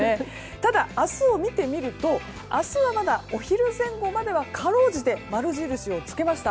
ただ、明日を見てみると明日はまだ、お昼前後まではかろうじて丸印をつけました。